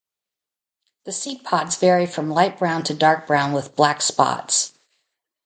The seed pods vary from light brown to dark brown with black spots.